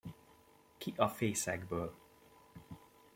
Ki a fészekből!